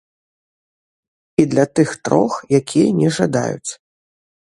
І для тых трох, якія не жадаюць.